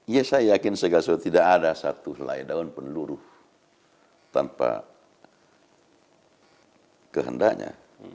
ya saya yakin segala sesuatu tidak ada satu helai daun peluru tanpa kehendaknya